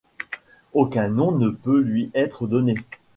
Aucun nom ne peut lui être donné.